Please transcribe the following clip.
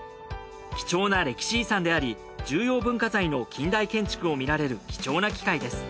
貴重な歴史遺産であり重要文化財の近代建築を見られる貴重な機会です。